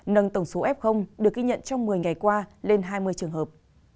nâng tổng số f được ghi nhận trong một mươi ngày qua lên hai mươi trường hợp